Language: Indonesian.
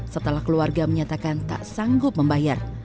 setelah keluarga menyatakan tak sanggup membayar